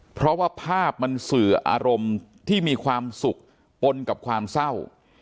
เพราะว่าภาพมันสื่ออารมณ์ที่มีความสุขปนกับความเศร้า